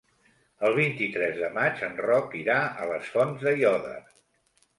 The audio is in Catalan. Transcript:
El vint-i-tres de maig en Roc irà a les Fonts d'Aiòder.